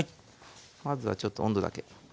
まずはちょっと温度だけ。